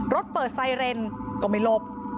รถเปิดไซเรนก็ไม่หลบ